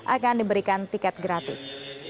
akan diberikan tiket gratis